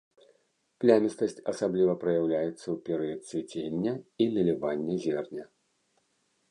Плямістасць асабліва праяўляецца ў перыяд цвіцення і налівання зерня.